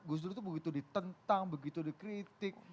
gus dur itu begitu ditentang begitu dikritik